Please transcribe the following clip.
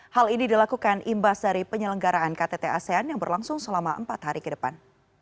hal ini dilakukan imbas dari penyelenggaraan ktt asean yang berlangsung selama empat hari ke depan